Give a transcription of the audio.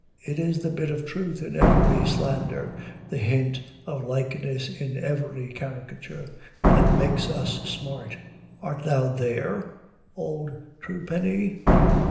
It is the bit of truth in every slander, the hint of likeness in every caricature, that makes us smart. "Art thou there, old Truepenny?"